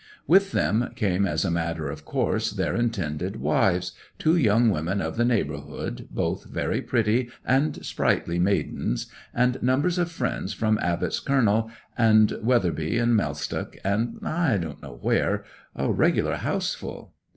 With them came, as a matter of course, their intended wives, two young women of the neighbourhood, both very pretty and sprightly maidens, and numbers of friends from Abbot's Cernel, and Weatherbury, and Mellstock, and I don't know where—a regular houseful.